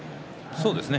そうですね。